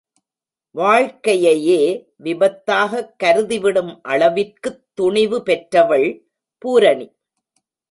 வாழ்க்கையையே விபத்தாகக் கருதிவிடும் அளவிற்குத் துணிவு பெற்றவள் பூரணி.